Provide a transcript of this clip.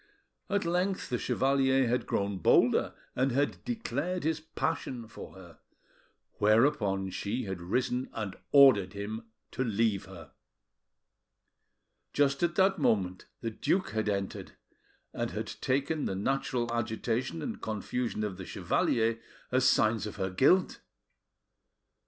At length the chevalier had grown bolder, and had declared his passion for her; whereupon she had risen and ordered him to leave her. Just at that moment the duke had entered, and had taken the natural agitation and confusion of the chevalier as signs of her guilt.